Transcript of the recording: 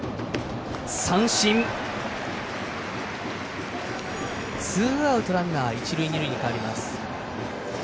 三振、ツーアウトランナー、一塁二塁に変わります。